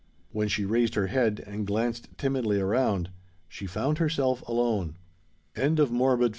When she raised her head, and glanced timidly around, she found herself alone. CHAPTER CXLIV.